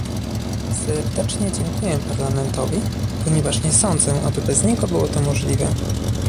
Serdecznie dziękuję Parlamentowi, ponieważ nie sądzę, aby bez niego było to możliwe